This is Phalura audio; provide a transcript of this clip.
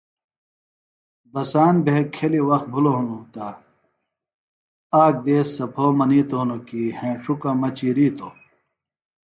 بساند بھےۡ کھیۡلیۡ وخت بِھلوۡ ہنوۡ تہآک دیس سےۡ پھو منِیتوۡ کیۡ ہِنوۡ ہینݜکہ مہ چِیرِیتوۡ